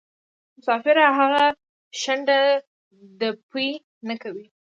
مسافره هغه شڼډه ده پۍ نکوي.